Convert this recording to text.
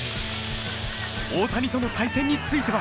大谷との対戦については。